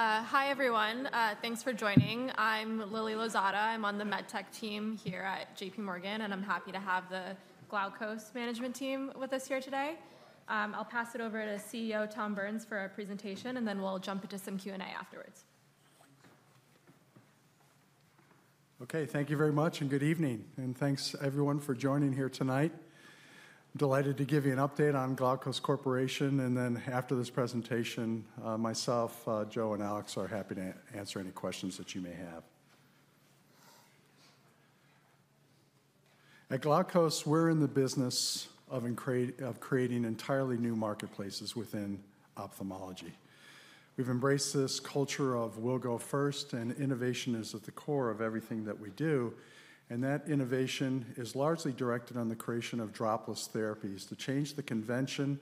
All right. Hi, everyone. Thanks for joining. I'm Lilia Lozada. I'm on the MedTech team here at JPMorgan, and I'm happy to have the Glaukos management team with us here today. I'll pass it over to CEO Burns for a presentation, and then we'll jump into some Q&A afterwards. Okay, thank you very much, and good evening and thanks, everyone, for joining here tonight. I'm delighted to give you an update on Glaukos Corporation, and then after this presentation, myself, Joe, and Alex are happy to answer any questions that you may have. At Glaukos, we're in the business of creating entirely new marketplaces within ophthalmology. We've embraced this culture of "we'll go first," and innovation is at the core of everything that we do, and that innovation is largely directed on the creation of dropless therapies to change the convention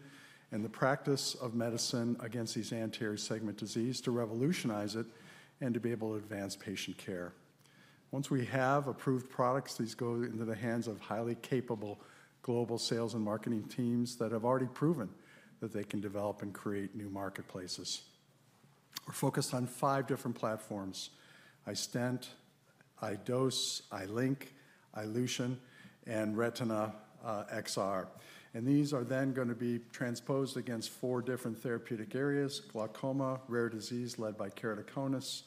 and the practice of medicine against these anterior segment diseases, to revolutionize it and to be able to advance patient care. Once we have approved products, these go into the hands of highly capable global sales and marketing teams that have already proven that they can develop and create new marketplaces. We're focused on five different platforms: iStent, iDose, iLink, iLution, and Retina XR. And these are then going to be transposed against four different therapeutic areas: glaucoma, rare disease led by keratoconus,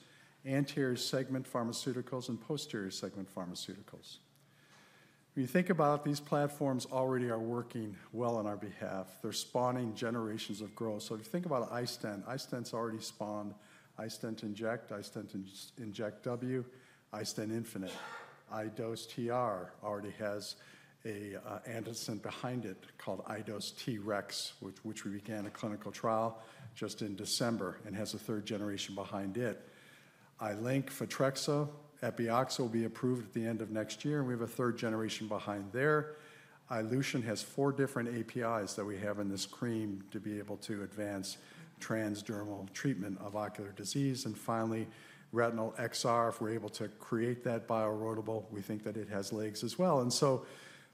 anterior segment pharmaceuticals, and posterior segment pharmaceuticals. When you think about these platforms, they already are working well on our behalf. They're spawning generations of growth. So if you think about iStent, iStent's already spawned iStent Inject, iStent Inject W, iStent Infinite. iDose TR already has an antecedent behind it called iDose TREX, which we began a clinical trial just in December and has a third generation behind it. iLink, Photrexa, Epioxa will be approved at the end of next year, and we have a third generation behind there. iLution has four different APIs that we have in this cream to be able to advance transdermal treatment of ocular disease. Finally, Retina XR, if we're able to create that bioerodible, we think that it has legs as well. So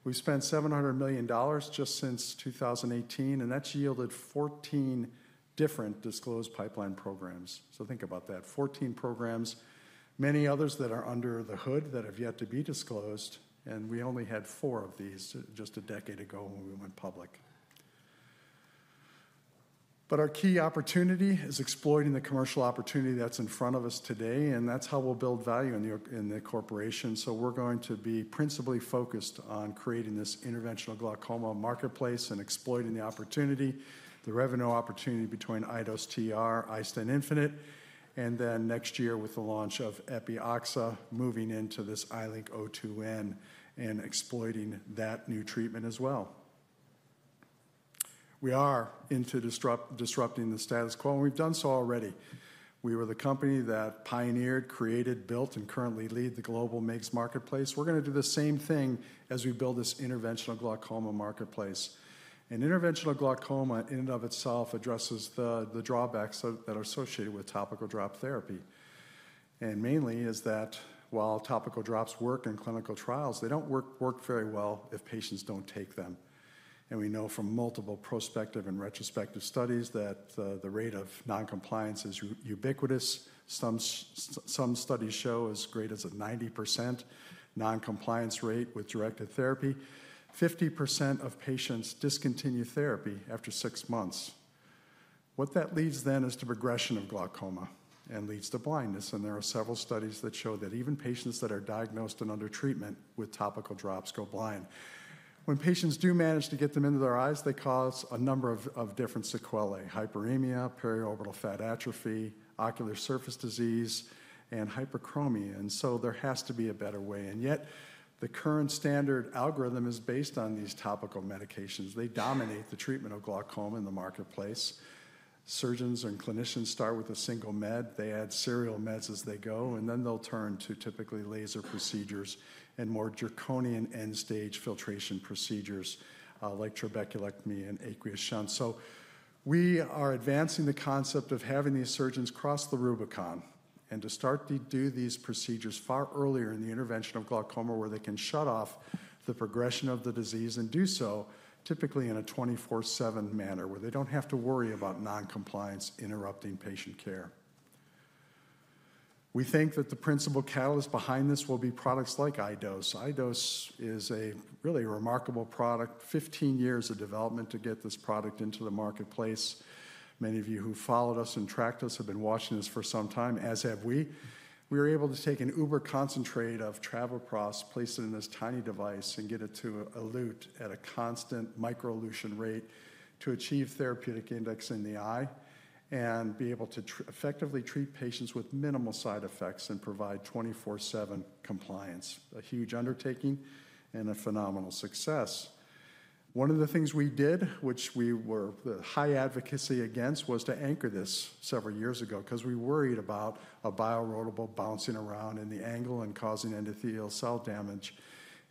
we've spent $700 million just since 2018, and that's yielded 14 different disclosed pipeline programs. So think about that: 14 programs, many others that are under the hood that have yet to be disclosed. And we only had four of these just a decade ago when we went public. But our key opportunity is exploiting the commercial opportunity that's in front of us today, and that's how we'll build value in the corporation. So we're going to be principally focused on creating this interventional glaucoma marketplace and exploiting the opportunity, the revenue opportunity between iDose TR, iStent Infinite, and then next year with the launch of Epioxa, moving into this iLink O2n and exploiting that new treatment as well. We are into disrupting the status quo, and we've done so already. We were the company that pioneered, created, built, and currently leads the global MIGS marketplace. We're going to do the same thing as we build this interventional glaucoma marketplace. And interventional glaucoma in and of itself addresses the drawbacks that are associated with topical drop therapy. And mainly is that while topical drops work in clinical trials, they don't work very well if patients don't take them. And we know from multiple prospective and retrospective studies that the rate of noncompliance is ubiquitous. Some studies show as great as a 90% noncompliance rate with directed therapy. 50% of patients discontinue therapy after six months. What that leaves then is the progression of glaucoma and leads to blindness. And there are several studies that show that even patients that are diagnosed and under treatment with topical drops go blind. When patients do manage to get them into their eyes, they cause a number of different sequelae: hyperemia, periorbital fat atrophy, ocular surface disease, and hyperchromia, and so there has to be a better way, and yet the current standard algorithm is based on these topical medications. They dominate the treatment of glaucoma in the marketplace. Surgeons and clinicians start with a single med. They add serial meds as they go, and then they'll turn to typically laser procedures and more draconian end-stage filtration procedures like trabeculectomy and aqueous shunt, so we are advancing the concept of having these surgeons cross the Rubicon and to start to do these procedures far earlier in the intervention of glaucoma where they can shut off the progression of the disease and do so typically in a 24/7 manner where they don't have to worry about noncompliance interrupting patient care. We think that the principal catalyst behind this will be products like iDose. iDose is a really remarkable product: 15 years of development to get this product into the marketplace. Many of you who followed us and tracked us have been watching this for some time, as have we. We were able to take an ultra concentrate of travoprost, place it in this tiny device, and get it to elute at a constant micro-elution rate to achieve therapeutic index in the eye and be able to effectively treat patients with minimal side effects and provide 24/7 compliance. A huge undertaking and a phenomenal success. One of the things we did, which we were the high advocacy against, was to anchor this several years ago because we worried about a bioerodible bouncing around in the angle and causing endothelial cell damage.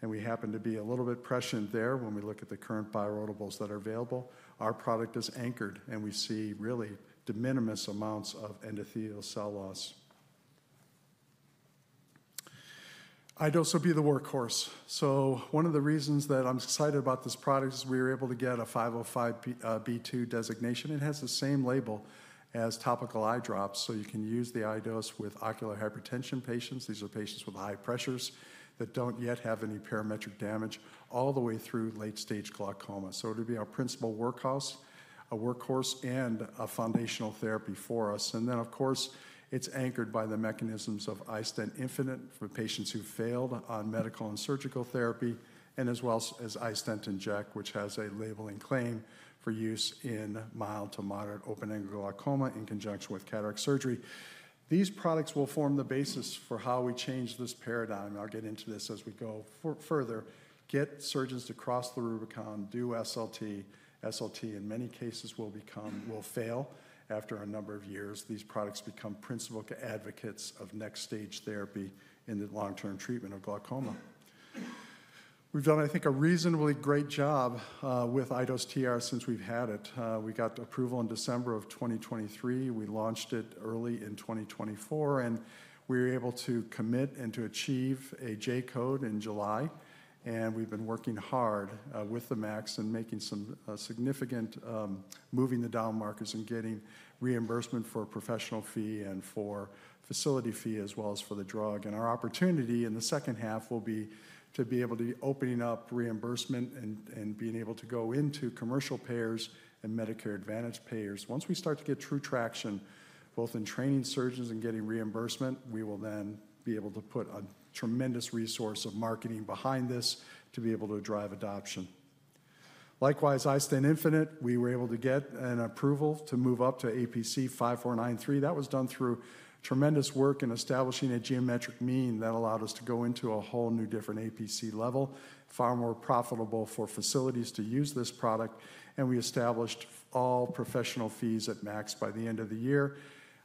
We happen to be a little bit prescient there when we look at the current bioerodibles that are available. Our product is anchored, and we see really de minimis amounts of endothelial cell loss. iDose will be the workhorse. One of the reasons that I'm excited about this product is we were able to get a 505(b)(2) designation. It has the same label as topical eye drops, so you can use the iDose with ocular hypertension patients. These are patients with high pressures that don't yet have any optic nerve damage all the way through late-stage glaucoma. It will be our principal workhorse, a workhorse, and a foundational therapy for us. And then, of course, it's anchored by the mechanisms of iStent Infinite for patients who failed on medical and surgical therapy, and as well as iStent Inject, which has a labeling claim for use in mild to moderate open-angle glaucoma in conjunction with cataract surgery. These products will form the basis for how we change this paradigm. I'll get into this as we go further. Get surgeons to cross the Rubicon, do SLT. SLT, in many cases, will fail after a number of years. These products become principal advocates of next-stage therapy in the long-term treatment of glaucoma. We've done, I think, a reasonably great job with iDose TR since we've had it. We got approval in December of 2023. We launched it early in 2024, and we were able to commit and to achieve a J-code in July. We've been working hard with the MACs and making some significant moves in moving the dial and getting reimbursement for professional fee and for facility fee as well as for the drug. Our opportunity in the second half will be to be able to be opening up reimbursement and being able to go into commercial payers and Medicare Advantage payers. Once we start to get true traction both in training surgeons and getting reimbursement, we will then be able to put a tremendous resource of marketing behind this to be able to drive adoption. Likewise, iStent Infinite, we were able to get an approval to move up to APC 5493. That was done through tremendous work in establishing a geometric mean that allowed us to go into a whole new different APC level, far more profitable for facilities to use this product. We established all professional fees at max by the end of the year.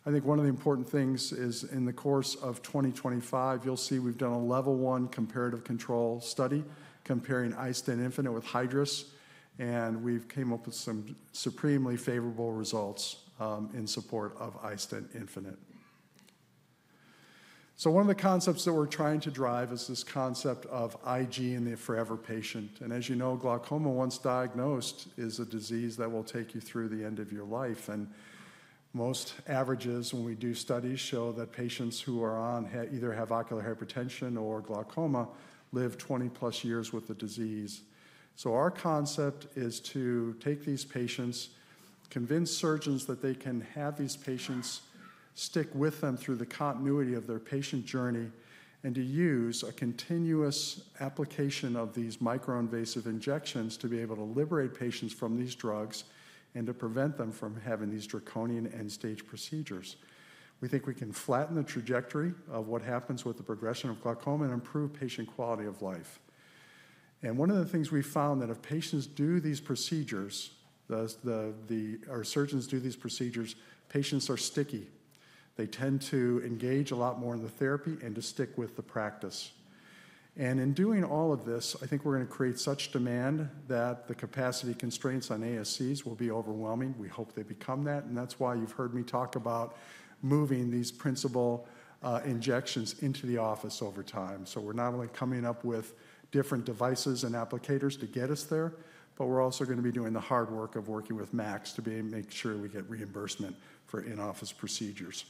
I think one of the important things is in the course of 2025, you'll see we've done a level one comparative control study comparing iStent Infinite with Hydrus, and we came up with some supremely favorable results in support of iStent Infinite. One of the concepts that we're trying to drive is this concept of IG in the forever patient. As you know, glaucoma, once diagnosed, is a disease that will take you through the end of your life. Most averages, when we do studies, show that patients who are on either have ocular hypertension or glaucoma live 20 plus years with the disease. Our concept is to take these patients, convince surgeons that they can have these patients stick with them through the continuity of their patient journey, and to use a continuous application of these micro-invasive injections to be able to liberate patients from these drugs and to prevent them from having these draconian end-stage procedures. We think we can flatten the trajectory of what happens with the progression of glaucoma and improve patient quality of life. One of the things we found is that if patients do these procedures, our surgeons do these procedures, patients are sticky. They tend to engage a lot more in the therapy and to stick with the practice. In doing all of this, I think we're going to create such demand that the capacity constraints on ASCs will be overwhelming. We hope they become that. And that's why you've heard me talk about moving these principal injections into the office over time. So we're not only coming up with different devices and applicators to get us there, but we're also going to be doing the hard work of working with MACs to make sure we get reimbursement for in-office procedures.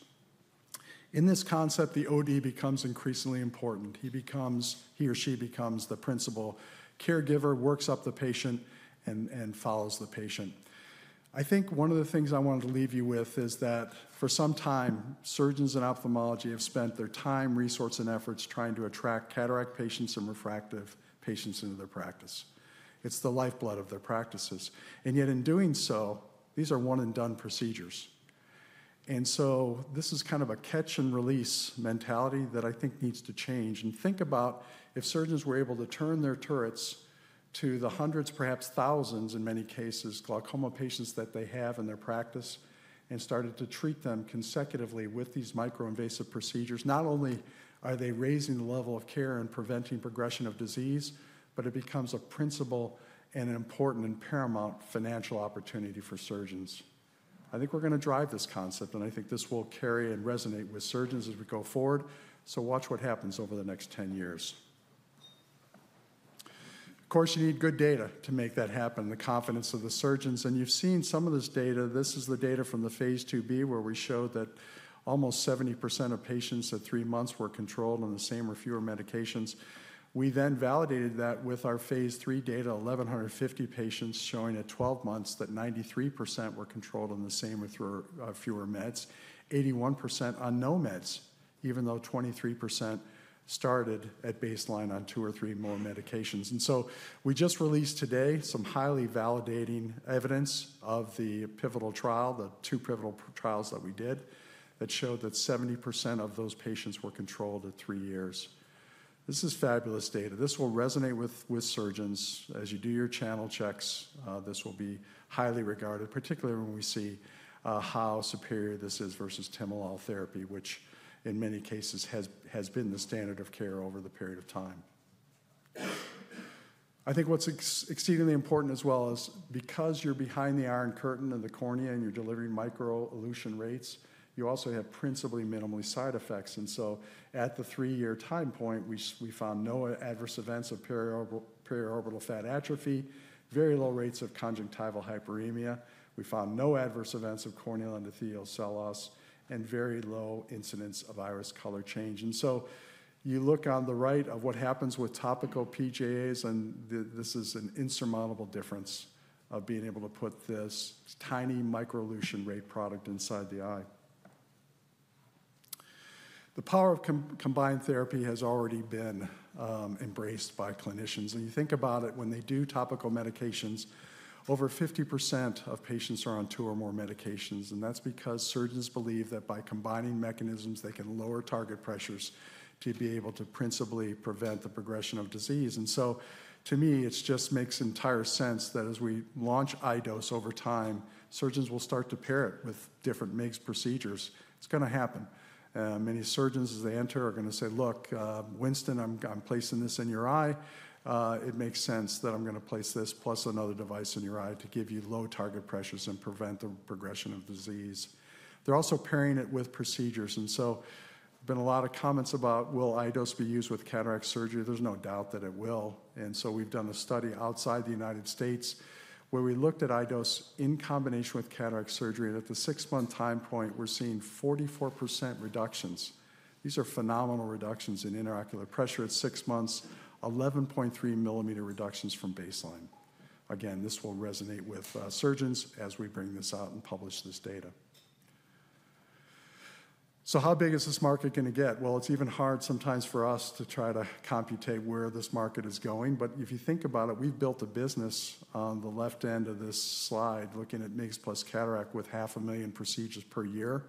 In this concept, the OD becomes increasingly important. He or she becomes the principal caregiver, works up the patient, and follows the patient. I think one of the things I wanted to leave you with is that for some time, surgeons in ophthalmology have spent their time, resource, and efforts trying to attract cataract patients and refractive patients into their practice. It's the lifeblood of their practices. And yet in doing so, these are one-and-done procedures. And so this is kind of a catch-and-release mentality that I think needs to change. Think about if surgeons were able to turn their turrets to the hundreds, perhaps thousands in many cases, glaucoma patients that they have in their practice and started to treat them consecutively with these microinvasive procedures. Not only are they raising the level of care and preventing progression of disease, but it becomes a principal and important and paramount financial opportunity for surgeons. I think we're going to drive this concept, and I think this will carry and resonate with surgeons as we go forward. So watch what happens over the next 10 years. Of course, you need good data to make that happen, the confidence of the surgeons. You've seen some of this data. This is the data from the Phase 2b where we showed that almost 70% of patients at three months were controlled on the same or fewer medications. We then validated that with our phase lll data, 1,150 patients showing at 12 months that 93% were controlled on the same or fewer meds, 81% on no meds, even though 23% started at baseline on two or three more medications. And so we just released today some highly validating evidence of the pivotal trial, the two pivotal trials that we did that showed that 70% of those patients were controlled at three years. This is fabulous data. This will resonate with surgeons as you do your channel checks. This will be highly regarded, particularly when we see how superior this is versus timolol therapy, which in many cases has been the standard of care over the period of time. I think what's exceedingly important as well is because you're behind the iron curtain and the cornea and you're delivering micro-elution rates, you also have principally minimal side effects. And so at the three-year time point, we found no adverse events of periorbital fat atrophy, very low rates of conjunctival hyperemia. We found no adverse events of corneal endothelial cell loss and very low incidence of iris color change. And so you look on the right of what happens with topical PGAs, and this is an insurmountable difference of being able to put this tiny micro-elution rate product inside the eye. The power of combined therapy has already been embraced by clinicians. When you think about it, when they do topical medications, over 50% of patients are on two or more medications. And that's because surgeons believe that by combining mechanisms, they can lower target pressures to be able to principally prevent the progression of disease. To me, it just makes entire sense that as we launch iDOSE over time, surgeons will start to pair it with different MIGS procedures. It's going to happen. Many surgeons, as they enter, are going to say, "Look, Winston, I'm placing this in your eye. It makes sense that I'm going to place this plus another device in your eye to give you low target pressures and prevent the progression of disease." They're also pairing it with procedures. There have been a lot of comments about, "Will iDOSE be used with cataract surgery?" There's no doubt that it will. We've done a study outside the United States where we looked at iDOSE in combination with cataract surgery. At the six-month time point, we're seeing 44% reductions. These are phenomenal reductions in intraocular pressure at six months, 11.3 millimeters reductions from baseline. Again, this will resonate with surgeons as we bring this out and publish this data. So how big is this market going to get? Well, it's even hard sometimes for us to try to compute where this market is going. But if you think about it, we've built a business on the left end of this slide looking at MIGS plus cataract with 500,000 procedures per year.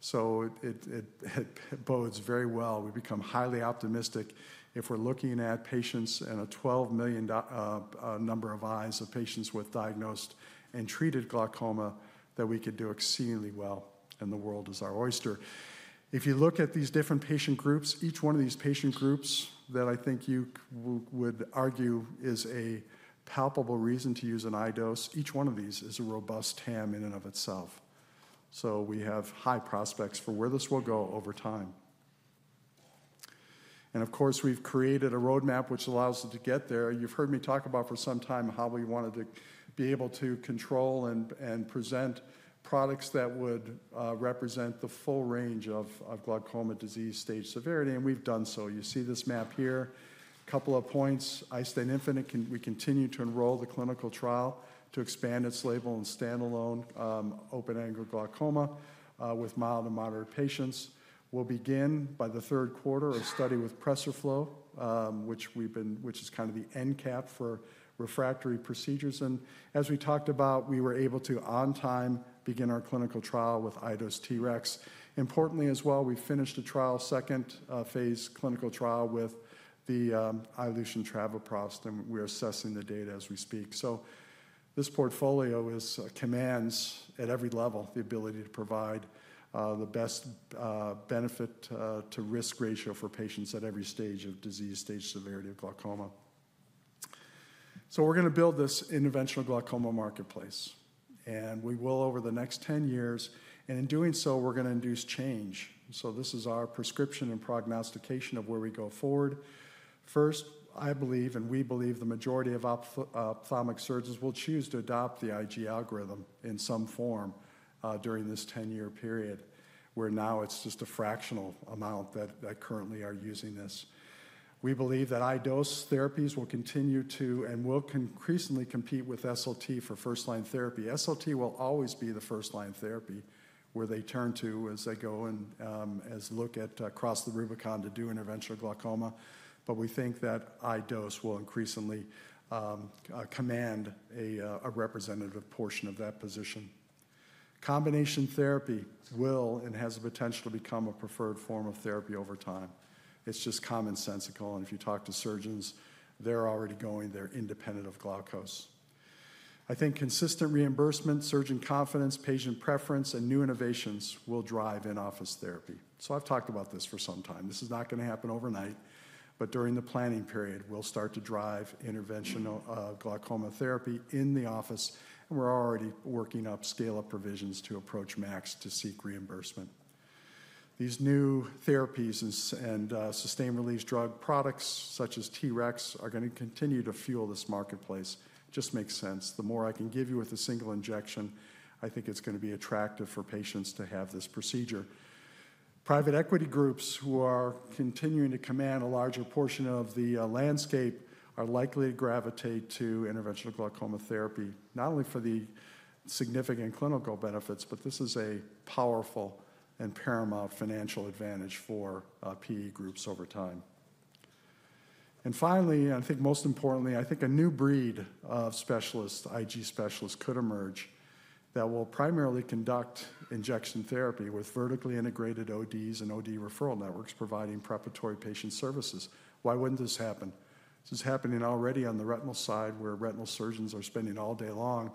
So it bodes very well. We become highly optimistic if we're looking at patients and a 12 million number of eyes of patients with diagnosed and treated glaucoma that we could do exceedingly well and the world is our oyster. If you look at these different patient groups, each one of these patient groups that I think you would argue is a palpable reason to use an iDose, each one of these is a robust TAM in and of itself. We have high prospects for where this will go over time. And of course, we've created a roadmap which allows us to get there. You've heard me talk about for some time how we wanted to be able to control and present products that would represent the full range of glaucoma disease stage severity. And we've done so. You see this map here. A couple of points. iStent Infinite, we continue to enroll the clinical trial to expand its label and standalone open-angle glaucoma with mild to moderate patients. We'll begin by the third quarter of study with, which is kind of the end cap for refractory procedures. And as we talked about, we were able to on time begin our clinical trial with iDose TREX. Importantly as well, we finished a trial, second phase clinical trial with the iLution travoprost, and we're assessing the data as we speak. So this portfolio commands at every level the ability to provide the best benefit to risk ratio for patients at every stage of disease stage severity of glaucoma. So we're going to build this interventional glaucoma marketplace. And we will over the next 10 years. And in doing so, we're going to induce change. So this is our prescription and prognostication of where we go forward. First, I believe, and we believe the majority of ophthalmic surgeons will choose to adopt the IG algorithm in some form during this 10-year period, where now it's just a fractional amount that currently are using this. We believe that iDose therapies will continue to and will increasingly compete with SLT for first-line therapy. SLT will always be the first-line therapy where they turn to as they go and as they look across the Rubicon to do interventional glaucoma. But we think that iDOSE will increasingly command a representative portion of that position. Combination therapy will and has the potential to become a preferred form of therapy over time. It's just commonsensical. And if you talk to surgeons, they're already going there independent of Glaukos. I think consistent reimbursement, surgeon confidence, patient preference, and new innovations will drive in-office therapy. So I've talked about this for some time. This is not going to happen overnight, but during the planning period, we'll start to drive interventional glaucoma therapy in the office. And we're already working on scale-up provisions to approach MACs to seek reimbursement. These new therapies and sustained-release drug products such as TRX are going to continue to fuel this marketplace. It just makes sense. The more I can give you with a single injection, I think it's going to be attractive for patients to have this procedure. Private equity groups who are continuing to command a larger portion of the landscape are likely to gravitate to interventional glaucoma therapy, not only for the significant clinical benefits, but this is a powerful and paramount financial advantage for PE groups over time. And finally, I think most importantly, I think a new breed of specialists, IG specialists, could emerge that will primarily conduct injection therapy with vertically integrated ODs and OD referral networks providing preparatory patient services. Why wouldn't this happen? This is happening already on the retinal side where retinal surgeons are spending all day long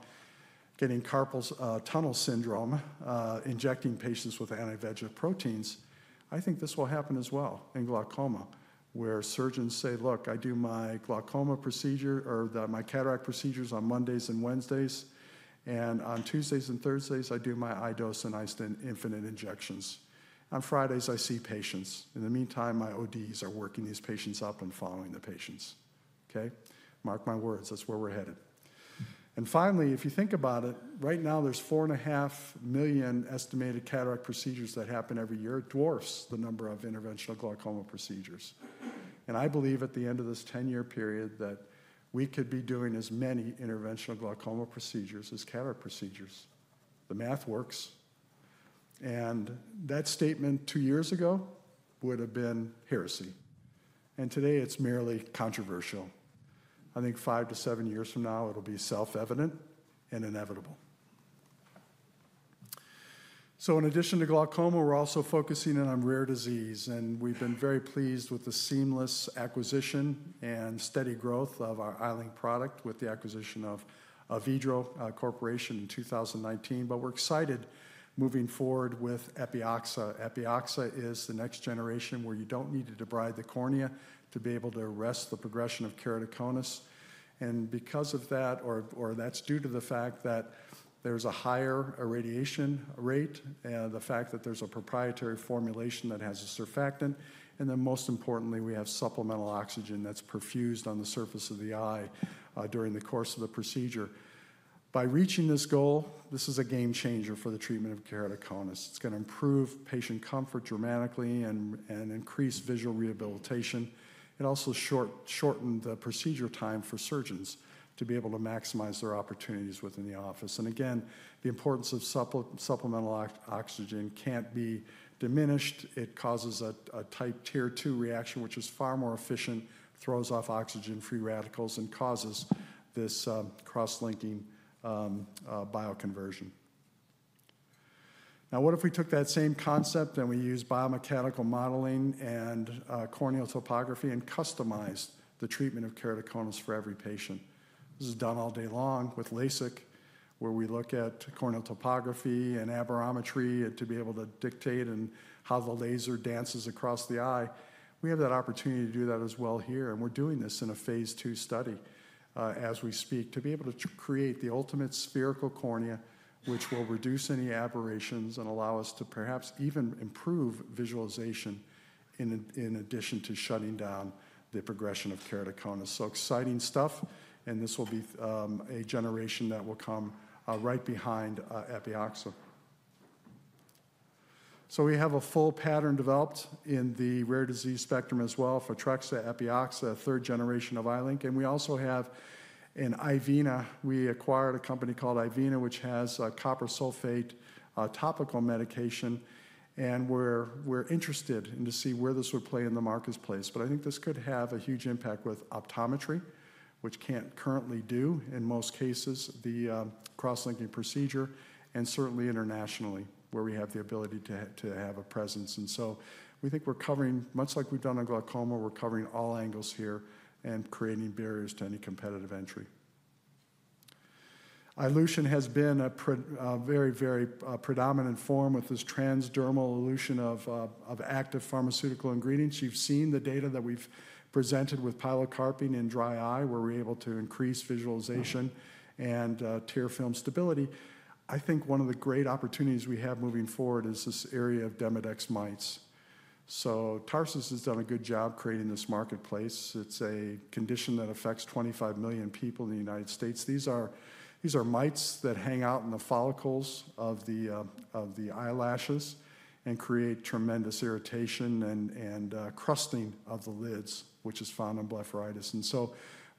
getting carpal tunnel syndrome, injecting patients with anti-VEGF proteins. I think this will happen as well in glaucoma where surgeons say, "Look, I do my glaucoma procedure or my cataract procedures on Mondays and Wednesdays, and on Tuesdays and Thursdays, I do my iDose and iStent Infinite injections. On Fridays, I see patients. In the meantime, my ODs are working these patients up and following the patients." Okay? Mark my words. That's where we're headed. And finally, if you think about it, right now there's 4.5 million estimated cataract procedures that happen every year, dwarfs the number of interventional glaucoma procedures. And I believe at the end of this 10-year period that we could be doing as many interventional glaucoma procedures as cataract procedures. The math works. And that statement two years ago would have been heresy. And today it's merely controversial. I think five to seven years from now, it'll be self-evident and inevitable. In addition to glaucoma, we're also focusing in on rare disease. We've been very pleased with the seamless acquisition and steady growth of our iLink product with the acquisition of Avedro in 2019. We're excited moving forward with Epioxa. Epioxa is the next generation where you don't need to debride the cornea to be able to arrest the progression of keratoconus. Because of that, or that's due to the fact that there's a higher irradiation rate, the fact that there's a proprietary formulation that has a surfactant, and then most importantly, we have supplemental oxygen that's perfused on the surface of the eye during the course of the procedure. By reaching this goal, this is a game changer for the treatment of keratoconus. It's going to improve patient comfort dramatically and increase visual rehabilitation. It also shortened the procedure time for surgeons to be able to maximize their opportunities within the office, and again, the importance of supplemental oxygen can't be diminished. It causes a Type II reaction, which is far more efficient, throws off oxygen-free radicals, and causes this cross-linking bioconversion. Now, what if we took that same concept and we used biomechanical modeling and corneal topography and customized the treatment of keratoconus for every patient? This is done all day long with LASIK, where we look at corneal topography and aberrometry to be able to dictate how the laser dances across the eye. We have that opportunity to do that as well here. We're doing this in a phase two study as we speak to be able to create the ultimate spherical cornea, which will reduce any aberrations and allow us to perhaps even improve visualization in addition to shutting down the progression of keratoconus. Exciting stuff. This will be a generation that will come right behind Epioxa. We have a full pattern developed in the rare disease spectrum as well for TREX, Epioxa, third generation of iLink. We also have an iVeena. We acquired a company called iVeena, which has a copper sulfate topical medication. We're interested in to see where this would play in the marketplace. I think this could have a huge impact with optometry, which can't currently do in most cases the cross-linking procedure, and certainly internationally, where we have the ability to have a presence. We think we're covering, much like we've done on glaucoma, we're covering all angles here and creating barriers to any competitive entry. iLution has been a very, very predominant form with this transdermal elution of active pharmaceutical ingredients. You've seen the data that we've presented with pilocarpine in dry eye, where we're able to increase visualization and tear film stability. I think one of the great opportunities we have moving forward is this area of Demodex mites. Tarsus has done a good job creating this marketplace. It's a condition that affects 25 million people in the United States. These are mites that hang out in the follicles of the eyelashes and create tremendous irritation and crusting of the lids, which is found in blepharitis.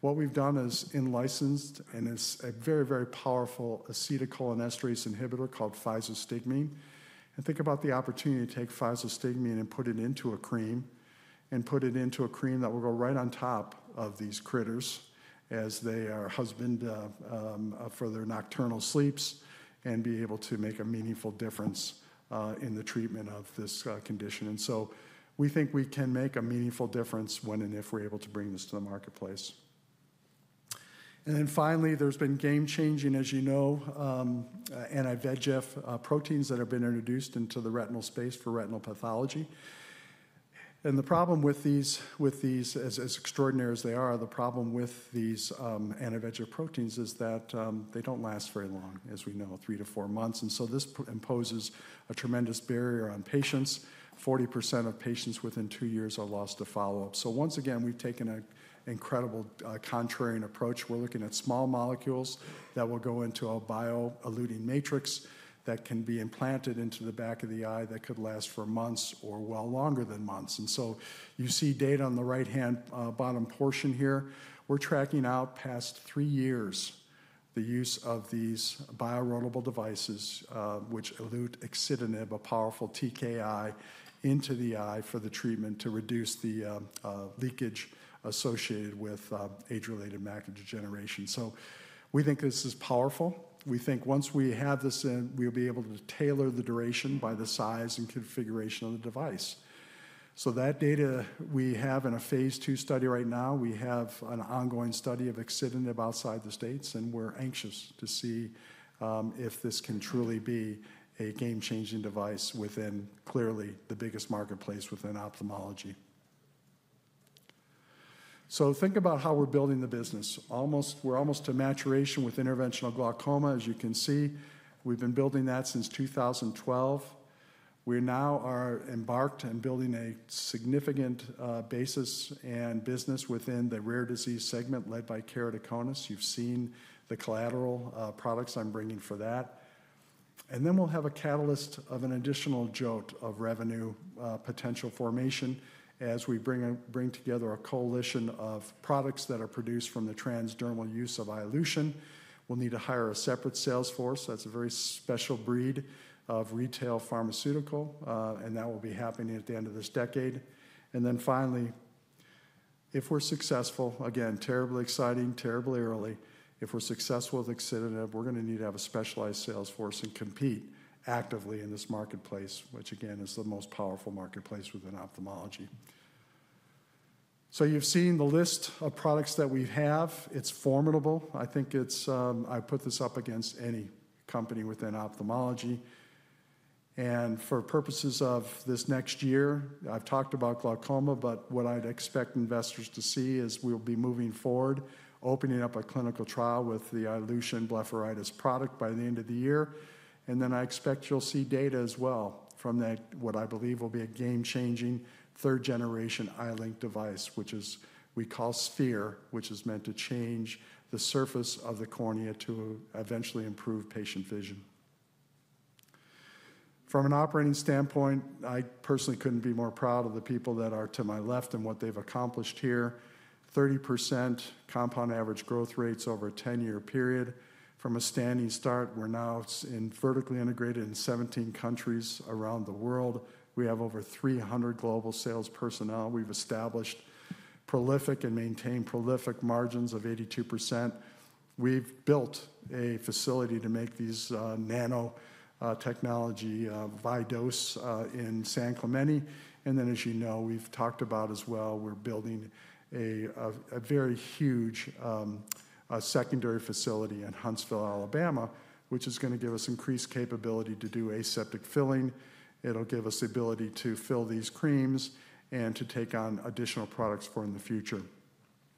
What we've done is in-licensed. It's a very, very powerful acetylcholinesterase inhibitor called physostigmine. And think about the opportunity to take physostigmine and put it into a cream and put it into a cream that will go right on top of these critters as they are husband for their nocturnal sleeps and be able to make a meaningful difference in the treatment of this condition. And so we think we can make a meaningful difference when and if we're able to bring this to the marketplace. And then finally, there's been game-changing, as you know, anti-VEGF proteins that have been introduced into the retinal space for retinal pathology. And the problem with these, as extraordinary as they are, the problem with these anti-VEGF proteins is that they don't last very long, as we know, three to four months. And so this imposes a tremendous barrier on patients. 40% of patients within two years are lost to follow-up. So once again, we've taken an incredible contrarian approach. We're looking at small molecules that will go into a bioerodible matrix that can be implanted into the back of the eye that could last for months or well longer than months. And so you see data on the right-hand bottom portion here. We're tracking over the past three years the use of these bioerodible devices, which elute axitinib, a powerful TKI, into the eye for the treatment to reduce the leakage associated with age-related macular degeneration. So we think this is powerful. We think once we have this in, we'll be able to tailor the duration by the size and configuration of the device. So that data we have in a phase two study right now, we have an ongoing study of axitinib outside the states. We're anxious to see if this can truly be a game-changing device within clearly the biggest marketplace within ophthalmology. Think about how we're building the business. We're almost to maturation with interventional glaucoma, as you can see. We've been building that since 2012. We now are embarked on building a significant basis and business within the rare disease segment led by keratoconus. You've seen the collateral products I'm bringing for that, and then we'll have a catalyst of an additional jolt of revenue potential formation as we bring together a coalition of products that are produced from the transdermal use of iLution. We'll need to hire a separate sales force. That's a very special breed of retail pharmaceutical, and that will be happening at the end of this decade. And then finally, if we're successful, again, terribly exciting, terribly early, if we're successful with axitinib, we're going to need to have a specialized sales force and compete actively in this marketplace, which again is the most powerful marketplace within ophthalmology. So you've seen the list of products that we have. It's formidable. I think I put this up against any company within ophthalmology. And for purposes of this next year, I've talked about glaucoma, but what I'd expect investors to see is we'll be moving forward, opening up a clinical trial with the iLution blepharitis product by the end of the year. And then I expect you'll see data as well from what I believe will be a game-changing third-generation iLink device, which we call Sphere, which is meant to change the surface of the cornea to eventually improve patient vision. From an operating standpoint, I personally couldn't be more proud of the people that are to my left and what they've accomplished here. 30% compound average growth rates over a 10-year period. From a standing start, we're now vertically integrated in 17 countries around the world. We have over 300 global sales personnel. We've established profit and maintained profit margins of 82%. We've built a facility to make these nanotechnology iDose in San Clemente. And then, as you know, we've talked about as well, we're building a very huge secondary facility in Huntsville, Alabama, which is going to give us increased capability to do aseptic filling. It'll give us the ability to fill these creams and to take on additional products for in the future.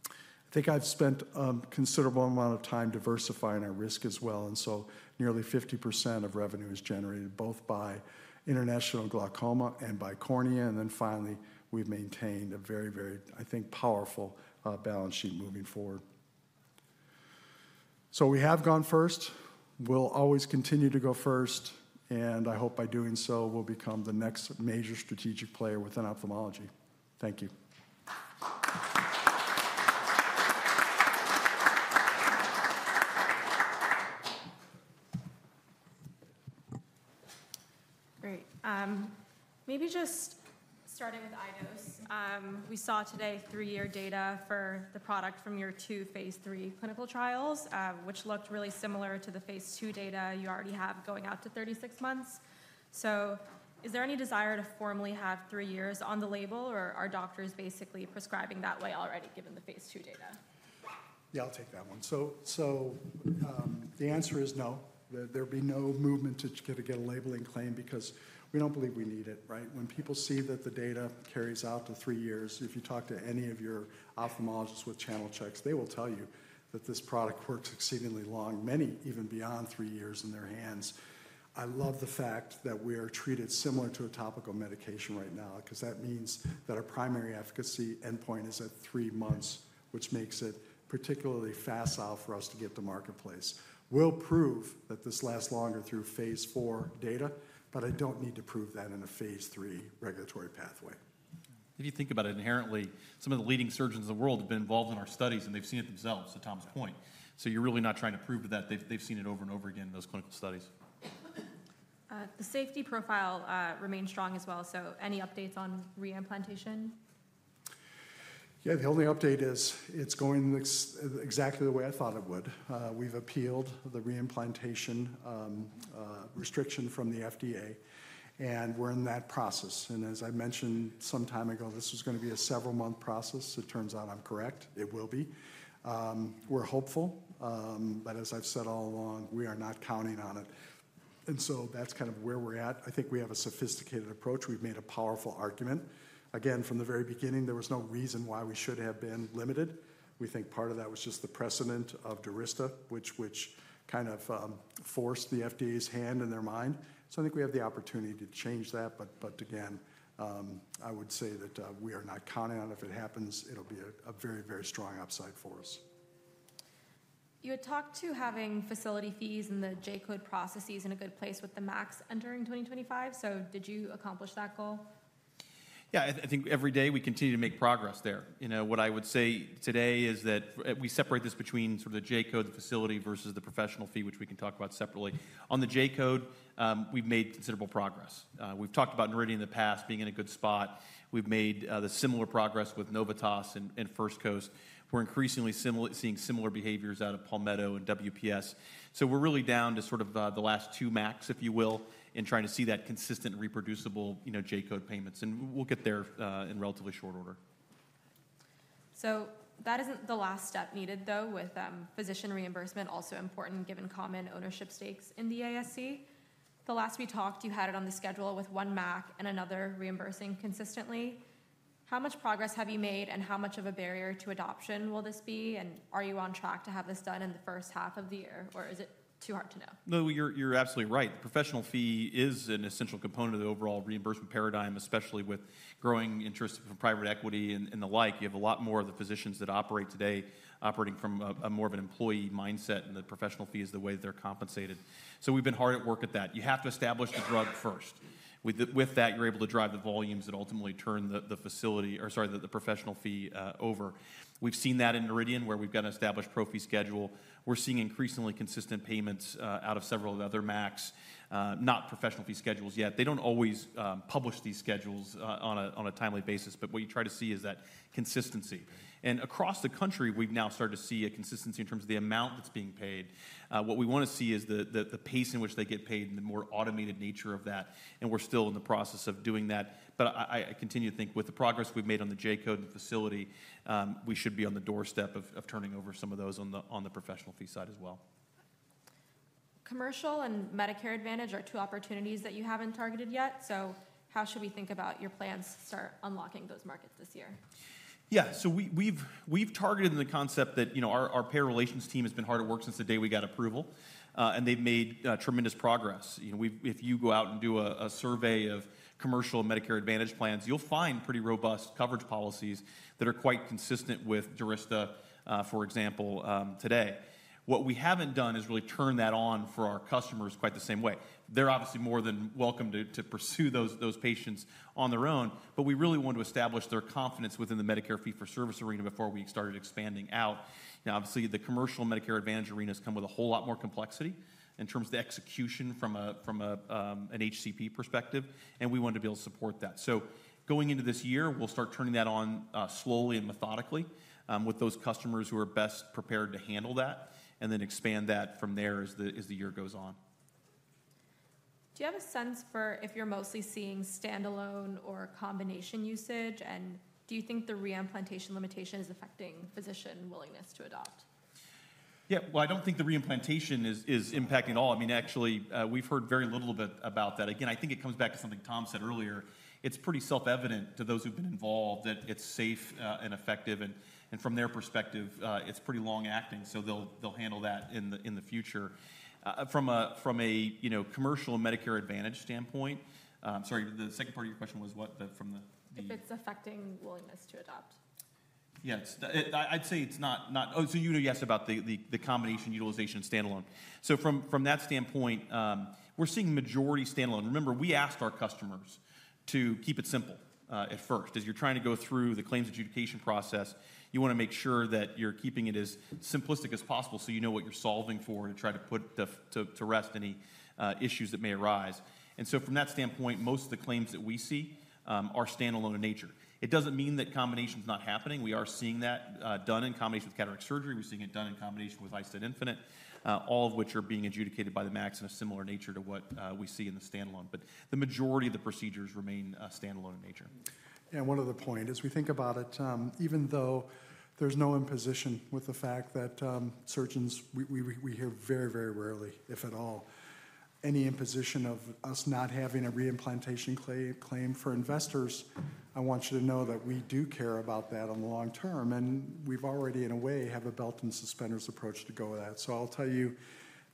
I think I've spent a considerable amount of time diversifying our risk as well. And so nearly 50% of revenue is generated both by international glaucoma and by cornea. And then finally, we've maintained a very, very, I think, powerful balance sheet moving forward. So we have gone first. We'll always continue to go first. And I hope by doing so, we'll become the next major strategic player within ophthalmology. Thank you. Great. Maybe just starting with iDose, we saw today three-year data for the product from your two phase lll clinical trials, which looked really similar to the phase ll data you already have going out to 36 months. So is there any desire to formally have three years on the label, or are doctors basically prescribing that way already given the phase ll data? Yeah, I'll take that one. So the answer is no. There'll be no movement to get a labeling claim because we don't believe we need it, right? When people see that the data carries out to three years, if you talk to any of your ophthalmologists with channel checks, they will tell you that this product works exceedingly long, many even beyond three years in their hands. I love the fact that we are treated similar to a topical medication right now because that means that our primary efficacy endpoint is at three months, which makes it particularly facile for us to get to marketplace. We'll prove that this lasts longer through phase four data, but I don't need to prove that in a phase three regulatory pathway. If you think about it inherently, some of the leading surgeons in the world have been involved in our studies, and they've seen it themselves, to Tom's point. So you're really not trying to prove that they've seen it over and over again in those clinical studies. The safety profile remains strong as well. So any updates on reimplantation? Yeah, the only update is it's going exactly the way I thought it would. We've appealed the reimplantation restriction from the FDA, and we're in that process. And as I mentioned some time ago, this was going to be a several-month process. It turns out I'm correct. It will be. We're hopeful. But as I've said all along, we are not counting on it. And so that's kind of where we're at. I think we have a sophisticated approach. We've made a powerful argument. Again, from the very beginning, there was no reason why we should have been limited. We think part of that was just the precedent of Durysta, which kind of forced the FDA's hand in their mind. So I think we have the opportunity to change that. But again, I would say that we are not counting on it. If it happens, it'll be a very, very strong upside for us. You had talked to having facility fees and the J-code processes in a good place with the MACs entering 2025. So did you accomplish that goal? Yeah, I think every day we continue to make progress there. What I would say today is that we separate this between sort of the J-code, the facility versus the professional fee, which we can talk about separately. On the J-code, we've made considerable progress. We've talked about Noridian in the past being in a good spot. We've made similar progress with Novitas and First Coast. We're increasingly seeing similar behaviors out of Palmetto and WPS. So we're really down to sort of the last two MACs, if you will, in trying to see that consistent reproducible J-code payments. We'll get there in relatively short order. So that isn't the last step needed, though, with physician reimbursement also important given common ownership stakes in the ASC. The last we talked, you had it on the schedule with one MAC and another reimbursing consistently. How much progress have you made, and how much of a barrier to adoption will this be? And are you on track to have this done in the first half of the year, or is it too hard to know? No, you're absolutely right. The professional fee is an essential component of the overall reimbursement paradigm, especially with growing interest from private equity and the like. You have a lot more of the physicians that operate today operating from a more of an employee mindset, and the professional fee is the way that they're compensated. So we've been hard at work at that. You have to establish the drug first. With that, you're able to drive the volumes that ultimately turn the facility or sorry, the professional fee over. We've seen that in Noridian, where we've got an established pro fee schedule. We're seeing increasingly consistent payments out of several of the other MACs, not professional fee schedules yet. They don't always publish these schedules on a timely basis. But what you try to see is that consistency. And across the country, we've now started to see a consistency in terms of the amount that's being paid. What we want to see is the pace in which they get paid and the more automated nature of that. And we're still in the process of doing that. But I continue to think with the progress we've made on the J-code and the facility, we should be on the doorstep of turning over some of those on the professional fee side as well. Commercial and Medicare Advantage are two opportunities that you haven't targeted yet. So how should we think about your plans to start unlocking those markets this year? Yeah, so we've targeted in the concept that our payer relations team has been hard at work since the day we got approval, and they've made tremendous progress. If you go out and do a survey of commercial and Medicare Advantage plans, you'll find pretty robust coverage policies that are quite consistent with Durysta, for example, today. What we haven't done is really turn that on for our customers quite the same way. They're obviously more than welcome to pursue those patients on their own, but we really want to establish their confidence within the Medicare fee-for-service arena before we started expanding out. Now, obviously, the commercial Medicare Advantage arena has come with a whole lot more complexity in terms of the execution from an HCP perspective, and we want to be able to support that. So going into this year, we'll start turning that on slowly and methodically with those customers who are best prepared to handle that and then expand that from there as the year goes on. Do you have a sense for if you're mostly seeing standalone or combination usage, and do you think the reimplantation limitation is affecting physician willingness to adopt? Yeah, well, I don't think the reimplantation is impacting at all. I mean, actually, we've heard very little bit about that. Again, I think it comes back to something Tom said earlier. It's pretty self-evident to those who've been involved that it's safe and effective. And from their perspective, it's pretty long-acting, so they'll handle that in the future. From a commercial Medicare Advantage standpoint, sorry, the second part of your question was what from the? If it's affecting willingness to adopt. Yeah, I'd say it's not, so you know yes about the combination utilization standalone. So from that standpoint, we're seeing majority standalone. Remember, we asked our customers to keep it simple at first. As you're trying to go through the claims adjudication process, you want to make sure that you're keeping it as simplistic as possible so you know what you're solving for to try to put to rest any issues that may arise. And so from that standpoint, most of the claims that we see are standalone in nature. It doesn't mean that combination is not happening. We are seeing that done in combination with cataract surgery. We're seeing it done in combination with iStent Infinite, all of which are being adjudicated by the MACs in a similar nature to what we see in the standalone. But the majority of the procedures remain standalone in nature. And one other point, as we think about it, even though there's no imposition with the fact that surgeons, we hear very, very rarely, if at all, any imposition of us not having a reimplantation claim for investors, I want you to know that we do care about that in the long term. And we've already, in a way, have a belt and suspenders approach to go with that. So I'll tell you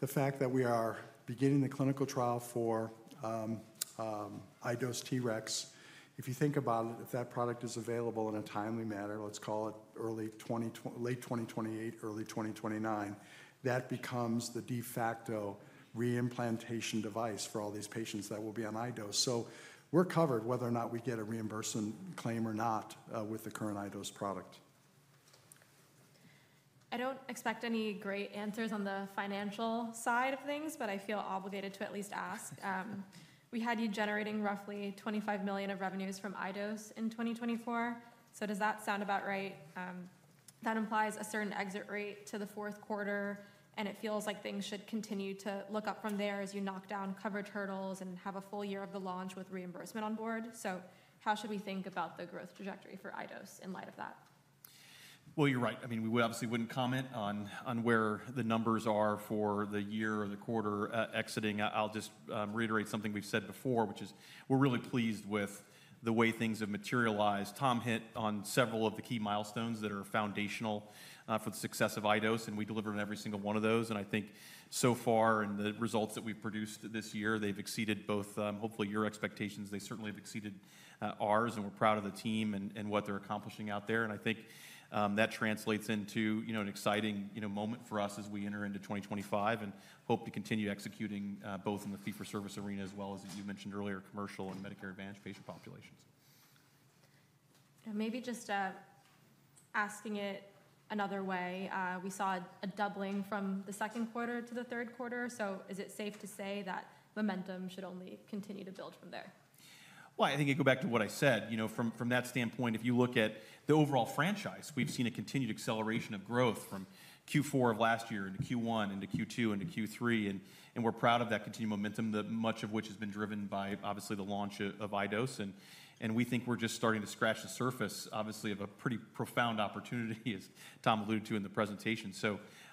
the fact that we are beginning the clinical trial for iDose TREX. If you think about it, if that product is available in a timely manner, let's call it late 2028, early 2029, that becomes the de facto reimplantation device for all these patients that will be on iDose. So we're covered whether or not we get a reimbursement claim or not with the current iDose product. I don't expect any great answers on the financial side of things, but I feel obligated to at least ask. We had you generating roughly $25 million of revenues from iDose in 2024. So does that sound about right? That implies a certain exit rate to the fourth quarter, and it feels like things should continue to look up from there as you knock down coverage hurdles and have a full year of the launch with reimbursement on board. How should we think about the growth trajectory for iDose in light of that? You're right. I mean, we obviously wouldn't comment on where the numbers are for the year or the quarter exiting. I'll just reiterate something we've said before, which is we're really pleased with the way things have materialized. Tom hit on several of the key milestones that are foundational for the success of iDose, and we delivered on every single one of those. I think so far, and the results that we've produced this year, they've exceeded both, hopefully, your expectations. They certainly have exceeded ours, and we're proud of the team and what they're accomplishing out there. I think that translates into an exciting moment for us as we enter into 2025 and hope to continue executing both in the fee-for-service arena as well as, as you mentioned earlier, commercial and Medicare Advantage patient populations. Maybe just asking it another way, we saw a doubling from the second quarter to the third quarter. So is it safe to say that momentum should only continue to build from there? I think you go back to what I said. From that standpoint, if you look at the overall franchise, we've seen a continued acceleration of growth from Q4 of last year into Q1 into Q2 into Q3. We're proud of that continued momentum, much of which has been driven by obviously the launch of iDose. We think we're just starting to scratch the surface, obviously, of a pretty profound opportunity, as Tom alluded to in the presentation.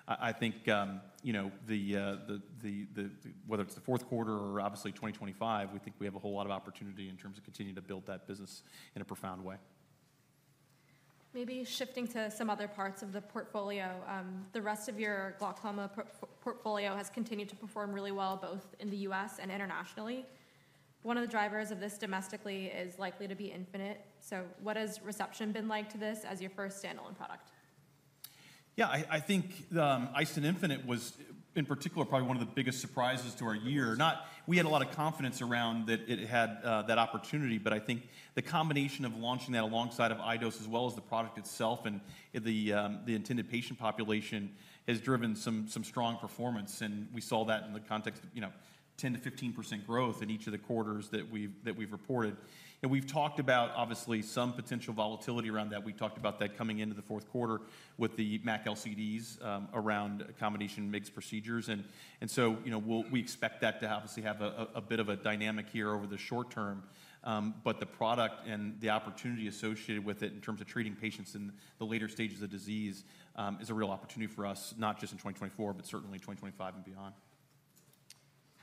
I think whether it's the fourth quarter or obviously 2025, we think we have a whole lot of opportunity in terms of continuing to build that business in a profound way. Maybe shifting to some other parts of the portfolio. The rest of your glaucoma portfolio has continued to perform really well, both in the U.S. and internationally. One of the drivers of this domestically is likely to be Infinite. What has reception been like to this as your first standalone product? Yeah, I think iStent Infinite was, in particular, probably one of the biggest surprises to our year. We had a lot of confidence around that it had that opportunity, but I think the combination of launching that alongside of iDose as well as the product itself and the intended patient population has driven some strong performance, and we saw that in the context of 10%-15% growth in each of the quarters that we've reported, and we've talked about, obviously, some potential volatility around that. We've talked about that coming into the fourth quarter with the MAC LCDs around combination mix procedures, and so we expect that to obviously have a bit of a dynamic here over the short term, but the product and the opportunity associated with it in terms of treating patients in the later stages of disease is a real opportunity for us, not just in 2024, but certainly 2025 and beyond.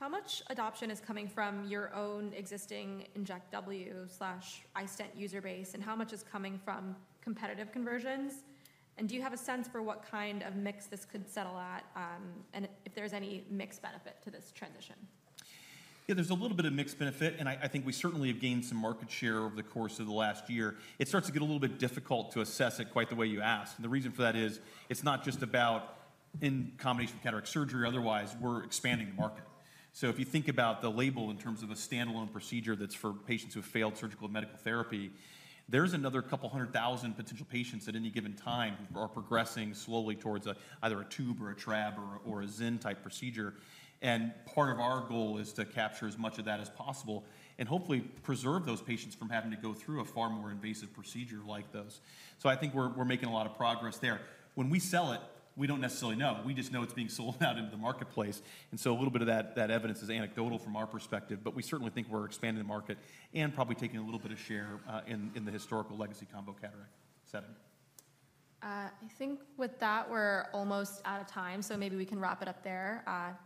How much adoption is coming from your own existing iStent Inject W/iStent user base, and how much is coming from competitive conversions? And do you have a sense for what kind of mix this could settle at and if there's any mixed benefit to this transition? Yeah, there's a little bit of mixed benefit, and I think we certainly have gained some market share over the course of the last year. It starts to get a little bit difficult to assess it quite the way you asked. And the reason for that is it's not just about in combination with cataract surgery or otherwise, we're expanding the market. So if you think about the label in terms of a standalone procedure that's for patients who have failed surgical and medical therapy, there's another couple hundred thousand potential patients at any given time who are progressing slowly towards either a tube or a trab or a XEN-type procedure. And part of our goal is to capture as much of that as possible and hopefully preserve those patients from having to go through a far more invasive procedure like those. So I think we're making a lot of progress there. When we sell it, we don't necessarily know. We just know it's being sold out into the marketplace. And so a little bit of that evidence is anecdotal from our perspective, but we certainly think we're expanding the market and probably taking a little bit of share in the historical legacy combo cataract setting. I think with that, we're almost out of time, so maybe we can wrap it up there. David.